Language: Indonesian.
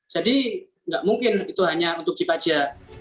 jadi tidak mungkin itu hanya untuk jip saja